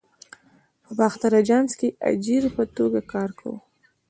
په باختر آژانس کې اجیر په توګه کار کاوه.